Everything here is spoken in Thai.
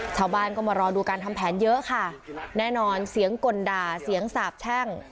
ชาวบ้านก็มารอดูการทำแผนเยอะค่ะแน่นอนเสียงกลด่าเสียงสาบแช่ง